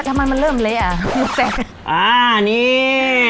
เออถ้ามันมันเริ่มเละอ่ะอ่านี่